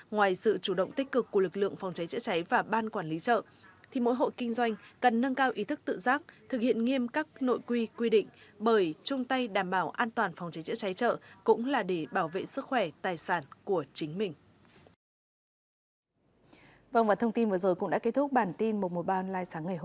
mỗi hội kinh doanh cần nâng cao ý thức tự giác thực hiện nghiêm các nội quy quy định bởi chung tay đảm bảo an toàn phòng cháy chữa cháy trợ cũng là để bảo vệ sức khỏe tài sản của chính mình